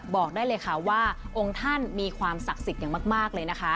บอกได้เลยค่ะว่าองค์ท่านมีความศักดิ์สิทธิ์อย่างมากเลยนะคะ